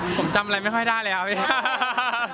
ผมจำอะไรไม่ค่อยได้เลยอะ